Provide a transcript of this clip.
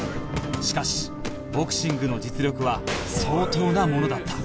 しかしボクシングの実力は相当なものだった